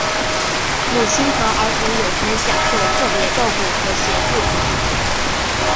母亲和儿童有权享受特别照顾和协助。